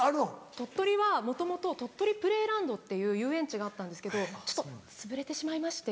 鳥取はもともと鳥取プレイランドっていう遊園地があったんですけどつぶれてしまいまして。